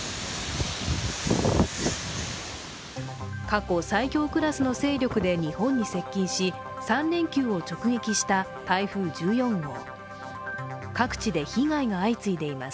過去最強クラスの勢力で日本に接近し、３連休を直撃した台風１４号。